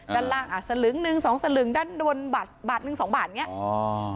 ด้านล่างอ่ะสลึงหนึ่งสองสลึงด้านบนบาทบาทหนึ่งสองบาทอย่างเงี้